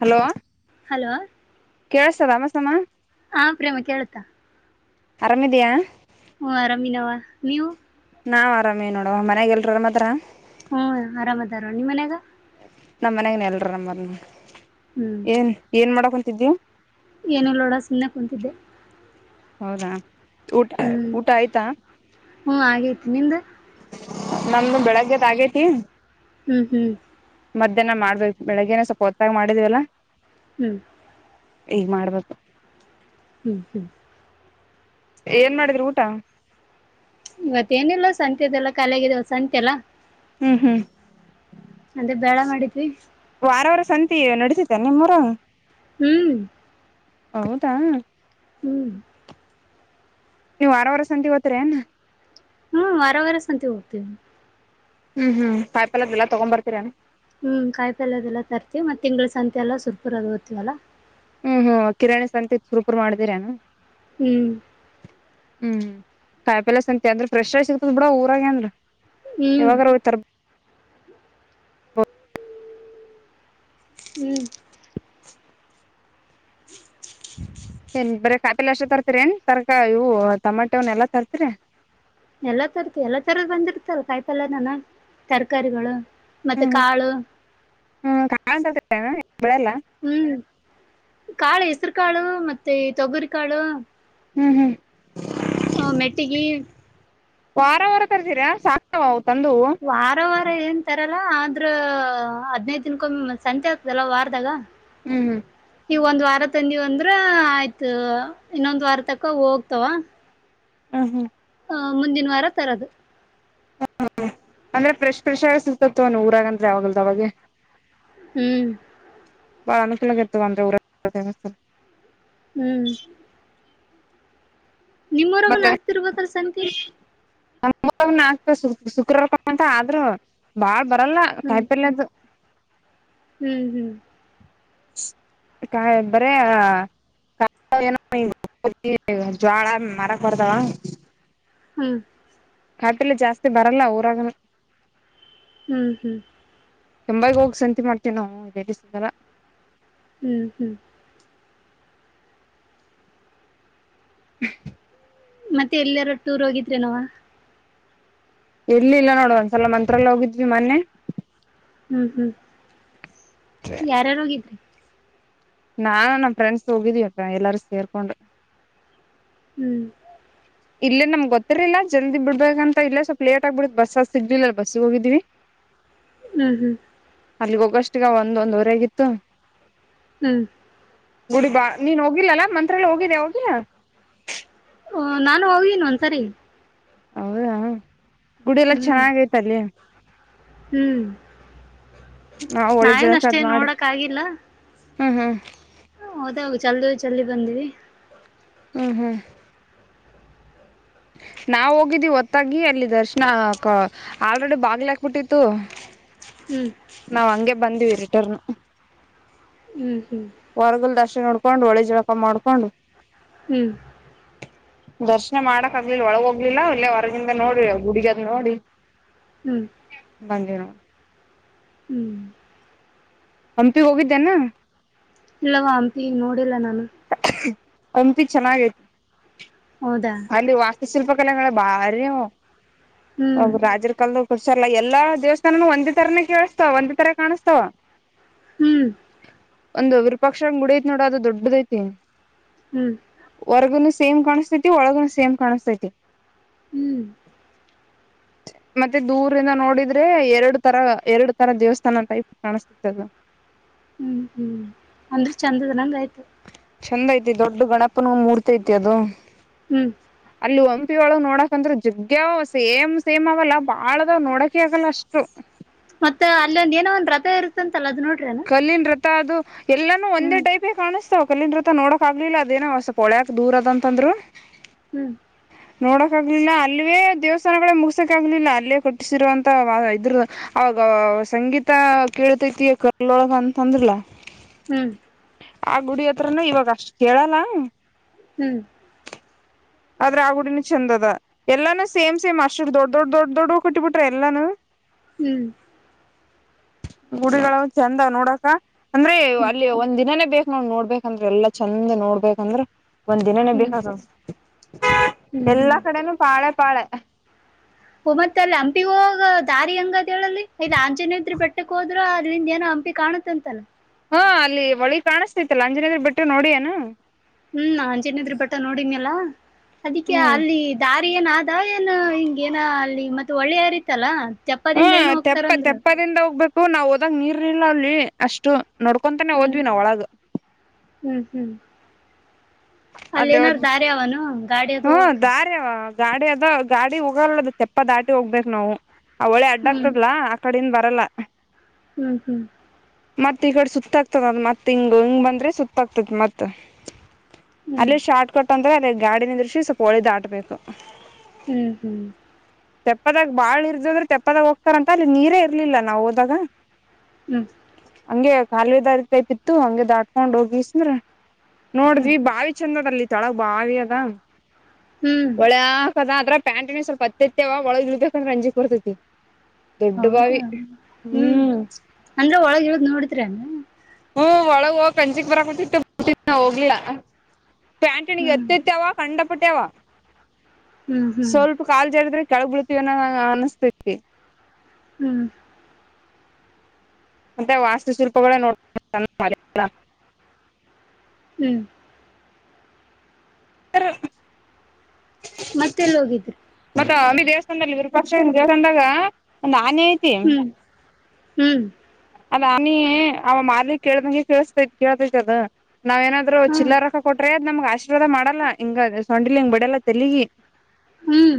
Hello hello ಕೇಳತ ರಾಮಸಾಮ ಹಾ ಪ್ರೇಮ ಕೇಳ್ತಾ ಆರಾಮಿದಿಯಾ ಹ ಅರಾಮಿನವ ನೀವು ನಾವ್ ಆರಾಮೇ ನೋಡವ ಮನ್ಯಾಗ ಎಲ್ರರ್ ಆರಾಮ್ ಅದಾರ ಹ್ಮ್ ಆರಾಮದಾರ ನಿಮ್ಮ ಮನ್ಯಾಗ ನಮ್ಮ್ ಮನ್ಾಗನೆ ಎಲ್ರ ನಮ್ಮ ಹ್ಞೂ ಏನ್ ಏನ್ ಮಾಡಕೊಂತಿದೀವು ಏನು ನೋಡ ಸುಮ್ಮನೆ ಕುಂತಿದ್ದೆ ಹೌದಾ ಊಟ ಹ್ಞೂ ಊಟ ಆಯ್ತಾ ಹ್ಞೂ ಆಗೈತಿ ನಿಂದು ನಮ್ದು ಬೆಳಗ್ಗೆದ ಆಗೇತಿ ಹ್ಮ್ ಹ್ಮ್ ಮಧ್ಯಾಹ್ನ ಮಾಡ್ಬೇಕು ಬೆಳಿಗ್ಗೆನ ಸ್ವಲ್ಪ ಹೊತ್ತಾಗಿ ಮಾಡಿದೀವಲ್ಲ ಹ್ಮ್ ಈಗ್ ಮಾಡ್ಬೇಕು ಹ್ಮ್ ಹ್ಮ್ ಏನ್ ಮಾಡಿದ್ರರು ಊಟ ಇವತ್ತೇಏನಿಲ್ಲ ಸಂತೆದೆಲ್ಲ ಕಾಲಗಿದ ಸಂತೆ ಎಲ್ಲಾ ಹ್ಮ್ ಹ್ಮ್ ಬಳ ಮಾಡಿದ್ವಿ ವಾರವಾರ ಸಂತ ನಡಸಿತ ನಿಮ್ಮೂರಗ ಹ್ಮ್ ಹೌದಾ ಹ್ಮ್ ನೀವು ವಾರವಾರ ಸಂತಿಗೆ ಹೋತರನ್ ಹ್ಮ್ ವಾರ ವರ ಸಂತೆಗೆ ಹೋಗುತಿವಿ ಹ್ಮ್ ಹ್ಮ್ ಪಾಯಪಲ್ಲಲ್ಲ ತಗೊಂಡೊ ಬರ್ತೀರ ಹ್ಮ್ ಕಾಯಿ ಪಲ್ಯ ಅದೆಲ್ಲ ತರ್ತಿೀವಿ ಮತ್ತೆ ತಿಂಗಳ ಸಂತೆ ಎಲ್ಲಾ ಸುರ್ಪುರ ಅದು ಓದ್ತವಲ್ಲಾ ಹ್ಮ್ ಹ್ಮ್ ಕಿರರಣಾಣಿ ಸಂತೆ ಸುರುೂಪುರ್ ಮಾಡಿದಿರನು ಹ್ಮ್ ಹ್ಮ್ ಕಾಯಿ ಪಿಲಸ್ಂತೆ ಅಂದ್ರೆ ಫ್ರೆಶ್ ಆ ಸಿಗ್ತದ ಬಿಡ ಊರಾಗ ಅಂದ್ರ ಹ್ಞೂ ಯಾವಾಗ ರೋೋಗ್ತಾರ ಹ ಹ್ಮ್ ಏನ್ ಬರ ಕಾಯಪಲಿ ಅಷ್ಟ ತರ್ತಿೀರಿ ಏನ್ ತರಕ ಇವು ಟಮಾಟೆ ಅವ್ನ್ ಎಲ್ಲಾ ತರ್ತೀರಿ ಎಲ್ಲಾ ತರದ ಎಲ್ಲಾ ತರದ ಬಂದಿರ್ತಲ್ಲ ಕಾಯಿ ಪಲ್ಯನನ ತರಕಾರಿಗಳು ಮತ್ತೆ ಹ್ಮ್ ಹ್ಮ್ ಕಾಳು ಹ್ಮ್ ಕಾಳನ್ ತರ್ತೀರೇನ ಬೆಳೆಲ್ಲ ಹ್ಮ್ ಕಾಳು ಹೆಸರು ಕಾಳು ಮತ್ತೆ ಈ ತೊಗುರಿಕಾಳು ಹ್ಮ್ ಹ್ಮ್ ಹ ಮೆಟ್ಟಿಗೆ ವಾರ ವಾರ ಕರ್ತೀರ ಸಾಕ ವಾರ ವಾರ ಏನ್ ತರ ಅಲ್ಲ ಆದ್ರ ಹದ್ದ್ ದಿನಕೊ ಸಂತೆ ಆಗ್ತದಲ್ಲ ವಾರದಾಗ ಹ್ಮ್ ಹ್ಮ್ ನೀವ ಒಂದ್ ವಾರ ತಂದಿವ ಅಂದ್ರ ಆಯ್ತು ಇನ್ನೊಂದ್ ವಾರ ತಕ್ಕ ಹೋಗ್ತಾವ ಹ್ಮ ಹ್ಮ್ ಹ ಮುಂದಿನ ವಾರ ತರದು ಹ ಅಂದ್ರ ಫ್ರೆಶ್ಫ್ರೆಶ ಆಗ ಸಿಗ್ತತ್ವ ನೀ ಊರಾಗಂದ್ರೆ ಅವಲ್ದ ಅವಾಗೆ ಹ್ಮ್ ಬಾನಸಲ ಕೆತ್ತುುವಂದ್ರೆ ಉಊರ ಹ್ಮ್ ನಿಮ್ಮ್ವರಗನ್ ಆಗ್ತಿರ್ಬೇಕಲ್ ಸಂಖೆ ನ ಶುಕ್ರವಾರ್ಕಂತ ಆದ್ರರು ಬಾಳ್ ಬರ್ ಇಲ್ಲ ಹ್ಮ್ ತಾಯಪರಯದು ಹ್ಮ್ ಹ್ಮ್ ಕಾಯ್ದ್ರ ಏನ ಜ್ಳ ಮರಕ್ ಕೊಡದಾವ ಹ್ಮ್ ಕಾಪಲೆ ಜಾಸ್ತಿ ಬರಲ್ಲ ಊರಾಗನ ಹ್ಮ್ ಹ್ಮ್ ಕೆಂಬಾಗಿ ಹೋಗ್ ಸಂತಿ ಮಾಡ್ತೇವಿ ನಾವು ಇಸ್ದಲ್ಲ ಹ್ಮ್ ಹ್ಮ್ ಹಾ ಮತ್ತೆ ಎಲ್ಲಾರೋ ಟೂರ್ ಹೋಗಿದ್ರೆನವ ಎಲ್ಲಿಲ್ಲ ನೋಡ ಒಂದ್ಸಲ ಮಂತ್ರಲ್ಲ ಹೋಗಿದ್ವಿ ಮೊನ್ನೆ ಹ್ಮ್ ಹ್ಮ್ ಯಾರಾರೋಗಿದ್ರಿ ನಾ ನಮ ಫ್ರೆಂಡ್ಸ್ ಹೋಗಿದೀಯಪ್ಪ ಎಲ್ಲಾರು ಸೇರ್ಕೊಂಡು ಹ್ಮ್ ಇಲ್ಲೇ ನಮ್ ಗೊತ್ತರ್ಿಲ್ಲ ಜಲ್ದಿ ಬಿಡ್ಬೇಕಂತ ಇಲ್ಲ ಸ್ವಲ್ಪ ಲೇಟ್ ಆಗ್ಬಡು ಬಸ್ಸ ಸಿಗ್ಲಿಲ್ಲಲ್ ಬಸ್ಸಿಗೆ ಹೋಗಿದೀವಿ ಹಾ ಹ್ಮ್ ಹ್ಮ್ ಅಲ್ಲಿಗ್ ಹೋಗಷ್ಟಗ ಒಂದ ಒಂದುವರೆ ಆಗಿತ್ತು ಹ್ಮ್ ಗುಡಿ ಬಾ ನೀನ್ ಹೋಗಿಲ್ಲಲ್ಲಾ ಮಂತ್ರಲ್ಲ ಹೋಗಿದ್ದೆ ಅವಾಗ ಹ ನಾನು ಹನ್ ಒಂದ್ಸರಿ ಹೌದಾ ಗುಡಿ ಎಲ್ಲಾ ಹ್ಮ್ ಚೆನ್ನಾಗ ಐತಲ್ಲಿ ಹ್ಮ್ ನಾವು ಹೋಳಿ ನಾವೇನ್ ಅಷ್ಟೇ ನೋಡಕ್ ಆಗಿಲ್ಲ ಹಾ ಹಾ ಮತ್ತೋಗ ಚಲ್ ಚಲ್ಲಿ ಬಂದೀವಿ ಹ್ಮ ಹ್ಮ ಹ ನಾವ ಹೋಗಿದ್ದೀ ಹೊತ್ತಾಗಿ ಅಲ್ಲಿ ದರ್ಶನ ಆಲ್ರೆಡಿ ಬಾಗ್ಲ ಹಾಕ್ಬಿಟ್ಟಿತ್ತು ಹ್ಮ್ ನಾವವು ಹಂಗೆ ಬಂದಿವವಿ ರಿಟರ್ನ್ ಹ್ಮ್ ಹ್ಮ್ ಹೊರ್ಗಲ್ ದರ್ಶ ನೋಡ್ಕೊಂಡು ಹೊಳಿ ಜಳಪ ಮಾಡ್ಕೊಂಡು ಹ್ಮ್ ದರ್ಶನ ಮಾಡಕ್ ಆಗ್ಲಿಲ್ಲ ಒಳಗೋಗ್ಲಿಲ್ಲ ಇಲ್ಲೇ ಹೊರಗಿಂದ ನೋಡ್ರ ಗುಡಗದ ನೋಡಿ ಹ್ಮ್ ಬನ ಹ್ಮ್ ಹಂಪಿ ಹೋಗಿದ್ದೇನಾ. ಇಲ್ಲವಾ ಅಂಪಿ ನೋಡಿಲ್ಲ ನಾನು. ಹ್ಮ್ಮ್ ಹಂಪಿ ಚನಾಗೆತಿ. ಹೌದಾ. ಶಿಲ್ಪಕಲೆಗಳ ಬಾರಿ ಅವ ಹ್ಮ್ ಅವು ರಾಜರ್ ಕಲ್ದಾವ್. ಕುಡ್ಸರ್ಲ್ಲಾ ಎಲ್ಲಾ ದೇವಸ್ಥಾನನು ಒಂದೇ ತರನೆ ಕೇಳುಸ್ತಾವ್ ಒಂದೆ ತರ ಕಾಣುಸ್ತಾವ. ಹ್ಮ್. ಒಂದ್ ವಿರಪಕ್ಷನ್ ಗುಡಿ ಐತ್ ನೋಡ ಅದು ದೊಡ್ಡುದೈತಿ ಹ್ಮ್ ಹೊರ್ಗುನು ಸೇಮ್ ಕಾಣಸ್ತತ್. ಒಳಗುನು ಸೇಮ್ ಕಾಣುಸ್ತಾತಿ. ಹ್ಮ್. [inaudible] ಮತ್ತೆ ದುರ್ದಿಂದ ನೋಡಿದ್ರೆ ಎರಡು ತರ ಎರಡು ತರ ದೇವಸ್ಥಾನ ಅಂತ ಐತ್ ಕಾಣುಸ್ತಾಯ್ತ್ ಅದು. ಹ್ಮ್ ಹ್ಮ ಅಂದ್ರೆ ಚಂದನಂಗ್ ಆಯ್ತು. ಚಂದೈತಿ ದೊಡ್ದು ಗಣಪನ ಮೂರ್ತಿ ಐತಿ ಅದು ಹ್ಮ್ ಅಲ್ಲಿ ಒನ್. ಹಂಪಿ ಒಳಗ್ ನೋಡಕೊಂತ್ರು ಜಗ್ಯದವ್ ಸೇಮ್ ಸೇಮ್ ಅವಲ. ಬಾಳದಾವ್ ನೋಡಕೆ ಆಗಲ್ಲ ಅಷ್ಟು. ಥೇರುತಂತಲಾ ಅದು ನೋಡ್ರೇನು. ಕಲ್ಲಿನ್ ರಥ ಅದು ಎಲ್ಲಾನೂ ಒಂದೇ ಟೈಫೆ ಕಾಣುಸ್. ತೋ ಕಲ್ಲಿನ್ ರತ ನೋಡಕಗ್ಲಿಲ್ ಅದೇನೊ ಸೋಲ್ಪ್ ಹೋಳಿ ಹತ್ರ್ ದೂರದಂತಂದ್ರು. ಹ್ಮ್. ನೋಡಕಗ್ಲಿಲ್ಲ ಅಲ್ವೇ. ದೇವಸ್ಥಾನಗಳೇ ಮುಗ್ಸಕಾಗ್ಲಿಲ್ಲ ಅಲ್ಲೇ ಕೂಟ್ಸಿರುವಂತ ಅವ್ಯವ ಇದ್ರೂ ಅವಾಗ ಸಂಗೀತ. [unintelligible] ತೈತಿ ಕಲೋಳಗ್ ಅಂತಂದ್ರಲ್ಲ. ಹ್ಮ್. ಆ ಗುಡಿ ಹತ್ರನೆ ಇವಗಷ್ಟ್ ಕೇಳಲ್. ಹ್ಮ್. ಆದ್ರ ಆ ಗುಡಿನು ಚೆಂದದ ಎಲ್ಲಾನು ಸೇಮ್ ಸೇಮ್ ಅಷ್ಟಾಷ್ಟ್ ದೊಡ್ ದೊಡ್ ದೊಡ್ ದೊಡ್ಡವ್ ಕಟ್ಟಿಬಿಟ್ರ ಎಲ್ಲಾನು. ಹ್ಮ್. ಗುಡಿ ಒಳಗ ಚಂದದ್ ನೋಡಕ ಅಂದ್ರೆ ಹ್ಮ್ ಅಲ್ಲಿ ಒಂದ್ ದಿನಾನೇ ಬೇಕ್. ನಾವ್ ನೋಡ್ಬೇಕಂದ್ರೆ ಎಲ್ಲಾ ಚಂದ ನೋಡ್ಬೇಕಂದ್ರ ಒಂದ್ ದಿನನೇ ಹ್ಮ್ ಬೇಕಾತದ. ಹ್ಮ್ ಎಲ್ಲಾ ಹ್ಮ್ ಕಡೆನೂ ಪಾಳೆ ಪಾಳೆ. ಹೊ ಮತ್ ಅಲ್ಲಿ ಹಂಪಿ ಗೊಗೋ ದಾರಿ ಹೆಂಗದೆಳಲ್ಲಿ ಇಲ್ ಆಂಜೀನಾದ್ರಿ ಬಿಟ್ಟುಕೊಗದು. ಅದ್ರಿಂದೇನೋ ಹಂಪಿ ಕಾಣುತ್ತಾಂತಲ. ಹ್ಮ್ಮ್ ಅಲ್ಲಿ ವಳಿ ಕಾಣುಸ್ತೈತಲ ಆಂಜಿನಾದ್ರಿ ಬಿಟ್ಟ ನೋಡಿಯೆನು. ಹ್ಮ್ ಆಂಜಿನಾದ್ರಿ ಭಟ್ಟ ನೋಡಿನೇಲ ಅದಿಕೆ ಹ್ಮ್ ಅಲ್ಲಿ ದಾರಿ. ಏನಾದ ಏನು ಹಿಂಗೇನ ಅಲ್ಲಿ ಮತ್ ಒಳ್ಳೆ ಏರಿತಲ್ಲ. ಹ್ಮ ತೆಪ್ಪ ತಪ್ಪದಿಂದ ಹೋಗ್ಬೇಕು ನಾವ್ ಹೋದಾಗ್ ನೀರ್ ಇರ್ಲಿಲಲ್ಲಿ ಅಷ್ಟು. ನೋಡ್ಕೊಂತಾನೇ ಹ್ಮ್ ಹೋದ್ವಿ ನಾವ್ ಒಳಗ. ಹ್ಮ್ ಹ್ಮ್ ಅಲ್ಲಿ ಅಲೆಗ್ ಏನಾರ ದಾರಿ ಅವನು ಗಾಡಿ ಅದು ಹ್ಮ ಹೋಗಕ ದರ್ಯಾಗ್. ಗಾಡಿ ಅದ ಗಾಡಿ ಹೋಗಲ್ಲದು ತೆಪ್ಪ ದಾಟಿ ಹೋಗ್ಬೇಕ್ ನಾವು ಆ ಒಳೆ ಹ್ಮ್ ಅಡಗ್ತದಲ್ಲ ಆಕಡಿಂದ. ಬಲ್ಲ. ಹ್ಮ್ ಹ್ಮ್. ಮತ್ ಈಕಡೆ ಸುತ್ತಗ್ತದ ಅದ ಮತ್ ಹಿಂಗ ಹಿಂಗ್ ಬಂದ್ರೆ ಸುತ್ತಾಕ್ತಾತ್ ಮತ. ಹ್ಮ್ ಅಲ್ಲಿ ಶಾಟ್ಕಟ್ ಅಂದ್ರೆ ಅಲ್ಲಿ ಗಾಡಿನಿದ್ರುಶಿ ಸ್ವಲ್ಪ ಹೊಳಿ ದಟ್ಬೇಕು. ಹ್ಮ್ ಹ್ಮ್. ತೆಪ್ಪದಾಗ ಬಾಳ್ ಇರ್ಜದರ್ ತೆಪ್ಪದಾಗ ಹೋಗ್ತಾರಂತ ಅಲ್ಲಿ ನೀರೇ ಇರ್ಲಿಲ್ಲ ನಾವ್ ಹೋದಾಗ. ಹ್ಮ್. ಹಂಗೆ ಕಾಲಿ ದಾರಿದ್ ಪೆಪಿತ್ತು ಹಂಗೆ ದಾಟ್ಕೊಂಡ್ ಹೋಗಿಸ್ಮ್ರ ಹ್ಮ್ ನೋಡುದ್ವಿ ಬಾವಿ ಚಂದದಲ್ಲಿ. ತೇಳಗ್ ಬಾವಿ ಅದ ಹ್ಮ್ ಹೊಳೆ ಹಕ್. ಬರೆ ಪ್ಯಾಂಟಿಗೆ ಸ್ವಲ್ಪ ಹತ್ತತ್ಯವ ಒಳಗ್ ಇಳಿಬೇಕಂದ್ರೆ ಹಂಜಿಕ್ ಬರತೈತಿ. ಹೌದಾ ಹ್ಮ್ ಅಂದ್ರ ಒಳಗ ಇ್ದ್ ನೋಡಿದ್ರ ಅಲ್ಲ ಹ್ಮ್ ಒಳಗ ಹೋಗ ಕಂಜಚಿಕ್ ಬರಕ್ಟ್ಟಿಟ್ಟಟ್ಟ ಹೋಗ್ಲ ಪ್ಯಾಂಟನಿಿಗೆ ಹ್ಮ್ ಎತ್ತತ್ತವ ಕಂಡ ಪಟ್ಟಾವ ಹ್ಮ್ ಹ್ಮ್ ಸ್ವಲ್ಪ ಕಾಲ್ ಜರದ್ರೆ ಕಳ್ ಬಿಿಡ್ತೀವನ್ನ ನ ಅನಸ್ತತಿ ಹ್ಮ್ ಮತ್ತೆ ವಾಸ್ತು ಶಿಲ್ಪಗಳೇ ನೋಡ್ ಹ್ಮ್ ಹ ಮತ್ತೆಲ್ಲಿ ಹೋಗಿದ್ರರು ಮತ್ತ ದೇವಸ್ಥಾನದಲ್ಲಿ ವಿರಪಕ್ಷ ದೇವಸ್ಥಾನದಾಗ ಅನತಿ ಹ್ಮ್ ಹ್ಮ್ ಅದಾನ ಅವ ಮಾರ್ಲಿಕ್ ಕೇಳ್ದಂಗೆ ಕೇಸ್ತೈತ್ ಕೇಳ್ತೈತಿ ಅದ ನಾವ್ ಏನಾದ್ರು ಹ್ಮ್ ಚಿಲ್ಲ ರೊಕ್ಕ ಕೊಟ್ರೆ ಅದ್ ನಮ್ಗ್ ಆಶೀರ್ವಾದ ಮಾಡಲ್ಲಾ ಹಿಂಗ ಅ ಸೊಂಡಿಲ್ ಹಿಂಗ್ ಬಿಡಲ್ಲೆಲಿಗಿ ಹ್ಮ್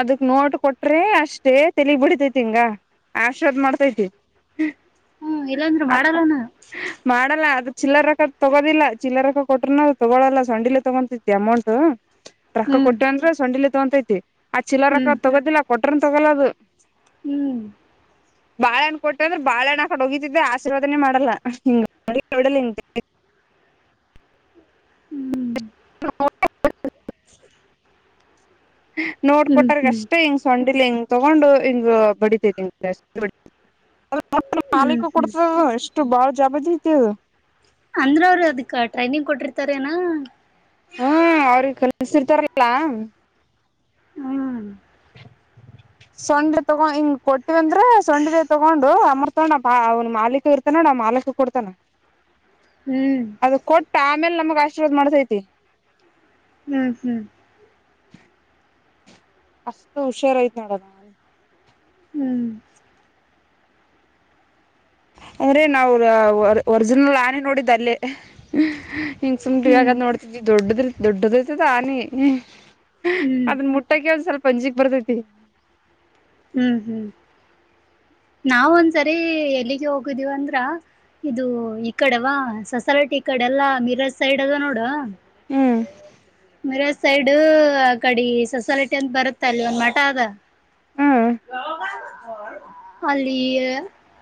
ಅದಕ್ ನೋಟ್ ಕೊಟ್ರೆ ಅಷ್ಟೇ ತಲಿಗ್ ಬಿಡ್ತೈತಿಂಗ ಆಶರ್ವಾದ್ ಮಾಡ್ತೈತಿ ಹ್ಮ ಇಲ್ಲಾಂದ್ರರು ಮಾಡಲ್ಲಾನ ಚಿಲ್ಲರ ರಕ್ಕ ತಗೋದಿಲ್ಲ ಚಿಲ್ಲರ ರೊ ಕೊಟ್ರರುನ ತಗೊಳಲ್ಲ ಸಂಡಿಲೇ ತಗೊತೈತಿ ಅಮೌಂಟ್ ರೊಕ್ಕ ಹ್ಮ್ ಕೊಟ್ಟೇ ಅಂದ್ರೆ ಸೊಂಡಿಲಿ ತಗೊಂತೈತಿ ಆ ಚೀಲ ರೊಕ್ಕ ಹ್ಮ್ ತೊಗೋದಿಲ್ಲ ಕೊಟ್ರನ್ ತಗೊಲ್ಲ ಅದು ಹ್ಮ್ ಬಾಳಹಣ್ಣ ಕೊಟ್ಟ ಅಂದ್ರೆ ಬಾಳಹಣ್ಣ ಆ ಕಡೆ ಹೋಗಿತಿದ್ದೆ ಆಶೀರ್ವಾದನೇ ಮಾಡಲ್ಲಾ ಹಂಗಡ ಹ [inaudible] ಹ್ಮ್ ನೋಡ್ಕೊಟರ್ಗ ಹ್ಮ್ ಅಷ್ಟೇ ಹೆಿಂಗ್ ಸೊಂಡಿಲ್ ಹೆಂಗ ತಗೊಂಡು ಹಿಂಗ ಬಡಿತತಿ ಮಾಲೀಕ ಹ್ಮ್ ಹ್ಮ್ ಕೊಡ್ತದ ಎಷ್ಟು ಬಾಳ ಜಬ್ದ ತಿದು ಅಂದ್ರ ಅವ್ರ ಅದಕ್ ಟ್ರೈನಿಂಗ್ ಕೊಟ್ಟಿರ್ತಾರ ಏನ ಹ್ಮ್ ಅವ್ರಿಗೆ ಕಲ್ಸರ್ತಾರಲ್ಲ ಹ್ಮ್ ಸೊಂಡೆ ತಗೊಂಡ ಹಿಂಗ್ ಕೊಟ್ಟಿವವಂದ್ರೆ ಸೊಂಡೆ ತಗೊಂಡು ಅಮರ್ ಅವನ್ ಮಾಲೀಕ ಇರ್ತಾನ ನಾ ಮಾಲಕ ಕೊಡ್ತಾನ ಹ್ಮ್ ಅದು ಕೊಟ್ಟ ಆಮೇಲೆ ನಮಗ್ ಆಶೀರ್ವಾದ್ ಮಾಡ್ತೈತಿ ಹ್ಮ್ ಹ್ಮ್ ಅಷ್ಟು ಹುಷಾರ ಯ್ತ ನೋಡ ನಿ ಹ್ಮ್ ಅಂದ್ರೆ ನಾವು ಒರಿಜಿನಲ್ ಆನೆ ನೋಡಿದ ಅಲ್ಲೇ ಹಿಂಗ್ ಸುಮ್ು ಇವಾಗ್ ಹ್ಮ್ ನೋಡ್ತಿದ ದೊಡ್ಡದ ದೊಡ್ಡದ್ರ್ತದಾನಿ ಹ್ಮ್ ಅದನ್ ಮುಟ್ಟಕ ಒಂದ್ಸವಲ್ಪ ಅಂಜಿಕ್ ಬರ್ತೈತಿ ಹ್ಮ್ ಹ್ಮ್ ನಾವ ಒಂದ್ಸರಿ ಎಲ್ಲಿಗೆ ಹೋಗಿದ್ದೀವ ಅಂದ್ರ ಇದು ಈ ಕಡೆವಾ ಸೊಸಾಲಟಿ ಈ ಕಡೆ ಎಲ್ಲಾ ಮೀರಾಜ್ ಸೈಡ್ ಅದ ನೋಡ ಹ್ಮ್ ಸೈಡ್ ಆ ಕಡೆ ಸೊಸೈಟಿ ಅಂತ ಬರುತ್ತ ಅಲ್ಲಿ ಒಂದ್ ಮಠ ಆದ ಅಲ್ಲಿ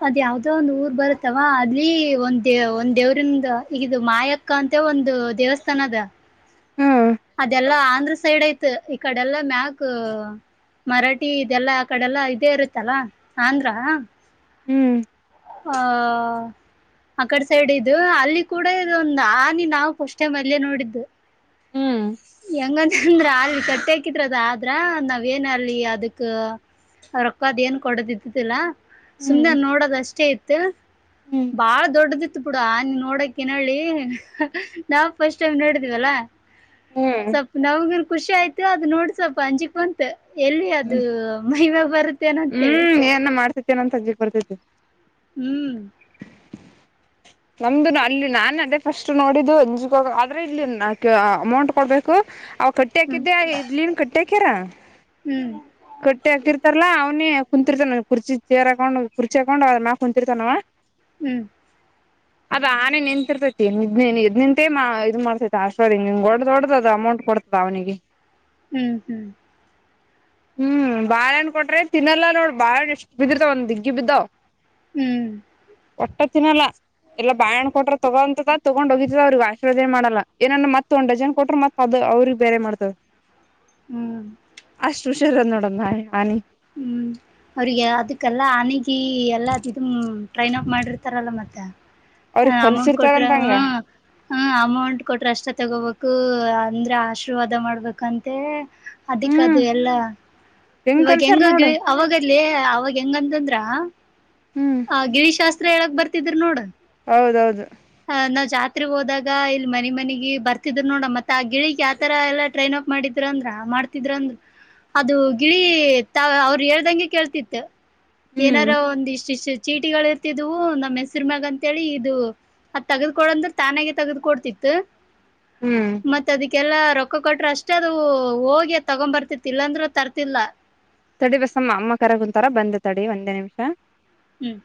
ಅದ್ ಯಾವ್ದೋ ಒಂದ್ ಊರ್ ಬರುತ್ತಾವ ಅಲ್ಲಿ ಒಂದೇವ ಒಂದ್ ದೇವ್ರಂದ ಈಗದು ಮಾಯಕ್ಕ ಅಂತ ಒಂದು ದೇವಸ್ಥಾನ ಅದ ಹ್ಞೂ ಅಂದ್ರ ಸೈಡ್ ಐತ ಈ ಕಡೆಲ್ಲಾ ಮ್ಯಕ್ ಮರಾಠಿ ಇದೆಲ್ಲಾ ಆ ಕಡೆಲ್ಲಾ ಇದೇ ಇರುತ್ತಲ್ಲ ಆಂಧ್ರ ಹ್ಞೂ ಹ ಆಕಡ್ ಸೈಡ್ ಇು ಅಲ್ಲಿ ಕೂಡ ಇದೊಂದು ಆನಿ ನಾವು ಫಸ್ಟೆ ಮ ಅಲ್ಲೇ ನೋಡಿದ್ದು ಹ್ಮ್ ಹೆಂಗಂತಂದ್ರ ಅಲ್ಲಿ ಕಟ್ಟಿಕಿದ್ರದ ಆದ್ರ ನಾವ ಏನ ಅಲಿ ಅದಕ್ಕ ರೊಕ್ಕ ಅದ್ ಏನ್ ಕೊಡದ ಇದ್ದತಿಿಲ್ಲಾ ಹ್ಞೂ ಸುಮ್ಮನೆ ನೋಡೋದ ಅಷ್ಟೇ ಇತ್ತು ಹ್ಞೂ ಬಾಳ ದೊಡ್ಡದಿ ಬಿುಡ ಆನ್ ನೋಡಕ ನೋ ಹೇಳಿ ನಾವ್ ಫಸ್ಟ್ ಟೈಮ್ ನೋಡಿದೀವಲ್ಲ ಹ್ಞೂ ಸ್ವಲ್ಪ ನಮಗನ್ ಖುಷಿ ಆಯ್ತು ಅದ ನೋಡಿ ಸ್ವಲ್ಪ ಅಂಜಿಕ್ ಬಂತ ಎಲ್ಲಿ ಅದು ಮೈವ ಬರುತ್ತೆ ಹ್ಮ್ ಏನ ಮಾಡ್ತತಿೇನ ಸಜಕ್ ಬರ್ತೈತಿ ಹ್ಮ್ [inaudible] ನಮ್ದುನು ಅಲ್ಲಿ ನಾನನ್ ಅದೇ ಫಸ್ಟ್ ನೋಡಿದ್ದು ಅಂಜಿಗೋಗ ಆದ್ರೆ ಇಲ್ಲಿ ಅಮೌಂಟ್ ಕೊಡ್ಬೇಕು ಕಟ್ಟಿ ಹ್ಮ್ ಹಾಕಿದ್ದೆ ಇಡ್ಲನ್ ಕಟ್ಟಿ ಹಾಕ್ಯರ ಹ್ಮ್ ಕಟ್ಟಿ ಹಾಕಿರ್ತಾರಲ್ಲಾ ಅವ ನ ಕುಂತಿರ್ತಾನ ಕುರ್ಚಿ ಚೇರ್ಾಕೊಂಡು ಕುರ್ಚಿಾಕೊಂಡ್ ಅದ್ ಕುಂತಿರ್ತಾನವ ಹ್ಮ್ ಅದ ಆನೆೆ ನಿಂತಿರ್ತೈತಿ ಇದ್ ನಿಂತೇ ಇ್ ಮಾಡ್ತೈತಿ ಅರ್ಶಡ್ದ ದೊಡ್ಡದದ ಅಮೌಂಟ್ ಕೊಡ್ತದ ಅವನಿಗೆ ಹ್ಮ್ ಹ್ಮ್ ಹ್ಮ್ ಬಾಳಹಣ್ಣ ಕೊಟ್ರಿ ತಿನ್ನಲ್ಲಾ ನೋಡ್ ಬಾಳಣ್ಣ ಎಷ್ಟ ಬಿದ್ದಿರ್ತಾವ ಒಂದ್ ದಿಗ್ಗಿ ಬಿದ್ದವ್ ಹ್ಮ್ ಒಟ್ಟ ತಿಿನಲ್ಲ ಎಲ್ಲ ಬಾಯಣ್ಣ ಕೊ್ರ ತಗೋೊಂತದ ತಗೊಂಡ ಹೋಗಿದದ ಅವ್ರಿಗೆ ಆಶೀರ್ವಜ ಮಾಡಲ್ಲ ಏನನ್ ಮತ್ತ ಒಂದ್ ಜನ್ ಕೊಟ್ರ ಮತ್ದ ಅವ್ರಿಗೆ ಬೇರೆ ಮಾಡ್ತವ ಹ್ಮ್ ಸುಷಿರನ್ನೋಡ ನಾಯ ಆನಿ ಹ್ಮ್ ಅವರಿಗೆಿಗೆ ಅದಕಲ್ಲ ಅನಗಿ ಎಲ್ಲಾ ಟ್ರೈನ್ ಅಪ್ ಮಾಡಿರ್ತಾರಲ್ಲ ಮತ್ತೆ ಅವ್ರಿಗ್ ಅಮೌಂಟ್ ಕೊಟ್ರ ಕಲ್ಸಿರ್ತಾರಂತಂಗ ಹ ಹ ಅಮೌಂಟ್ ಕೊಟ್ರೆ ಅಷ್ಟ ತಗೋಬೇಕು ಅಂದ್ರೆ ಆಶೀರ್ವಾದ ಮಾಡ್ಬೇಕಂತ ಅದಿಕ್ ಹ್ಮ್ ಅದು ಎಲ್ಲಾ ಹೆಂಗ್ ಇವಾಗ ಕಲ್ಸ್ಯಾರ್ ಹೆಂಗ ನೋಡು ಅವಾಗ ಇಲ್ಲಿ ಅವಾಗ ಹೆಂಗಂತಂದ್ರ ಹ್ಮ್ ಆ ಗಿರಿಶಾಸ್ತ್ರ ಹೇಳಕ್ ಬರ್ತಿದ್ರ ನೋಡ ಹೌದೌದು ಜಾತ್ರೆಗೆ ಹೋದಾಗ ಇಲ್ಲಿ ಮನನೆ ಮನಿಗೆ ಬರ್ತಿದರು ನೋಡ ಮತ್ತತ್ ಆ ಗಿಳಗ್ ಯಾವತರ ಎಲ್ಲಾ ಟ್ರೈನ್ ಅಪ್ ಮಾಡಿದ್ರ ಅಂದ್ರ ಮಾಡ್ತಿದ್ರ ಅಂದ್ರ ಅದು ಗಿಳಿ ಅವರು ಹೇಳ್ದಂಗೆ ಕೇಳ್ತಿತ್ತು ಹ್ಮ್ ಏನಾರೋ ಒಂದ ಇಷ್ಟ ಇಷ್ಟು ಚೀಟಿಗಳು ಇರ್ತಿದವು ನಮ್ಮ ಹೆಸರು ಮ್ಯಾಗ ಅಂತೇಳಿ ಇದು ಅದ್ ತಗದ್ಕೊಡಂದ್ರ ತಾನಾಗ ತಗ್ದ್ಕ ಕೊಡ್ತಿತ್ತು ಹ್ಮ್ ಕ್ಕೆಲ್ಲ ರೊಕ್ಕ ಕೊಟ್ರೆ ಅಷ್ಟೇ ಅದು ಹೋಗಿ ತಗೊ್ ಬರ್ತಿತಿ ಇಲ್ಲಾಂದ್ರರು ತರ್ತಿಲ್ಲ ತಡಿ ಬಸಮ್ಮ ಅಮ್ಮ ಕರ ಕುಂತಾರ ಬಂದ ತಡಿ ಒಂದೇ ನಿಮಿಷ ಹ್ಮ್